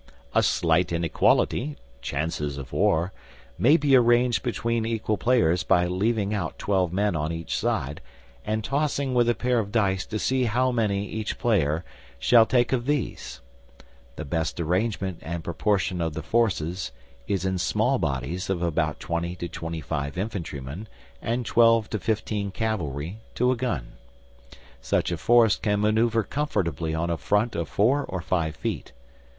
A slight inequality (chances of war) may be arranged between equal players by leaving out 12 men on each side and tossing with a pair of dice to see how many each player shall take of these. The best arrangement and proportion of the forces is in small bodies of about 20 to 25 infantry men and 12 to 15 cavalry to a gun. Such a force can maneuver comfortably on a front of 4 or 5 feet.